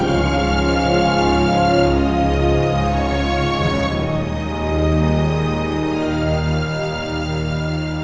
untuk penumpang asa